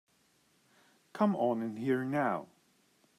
Come on in here now.